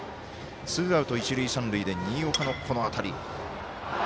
ツーアウト、一塁三塁で新岡のこの当たり。